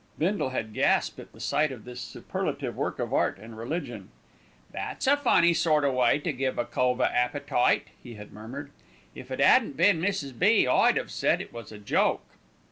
Bindle had gasped at the sight of this superlative work of art and religion. "That's a funny sort o' way to give a cove a appetite," he had murmured. "If it 'adn't been Mrs. B., I'd 'ave said it was a joke."